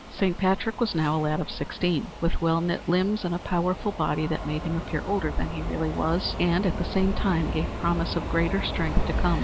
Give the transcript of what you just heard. Saint Patrick was now a lad of sixteen, with well knit limbs and a powerful body that made him appear older than he really was, and at the same time gave promise of greater strength to come.